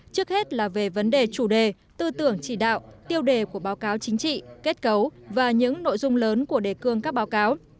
trước hết là về vấn đề chủ đề tư tưởng chỉ đạo tiêu đề của báo cáo chính trị kết cấu và những nội dung lớn của đề cương các báo cáo